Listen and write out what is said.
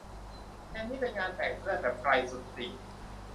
เย็นนี้ไปงานแต่งเพื่อนแบบ ไกลสุดติ่ง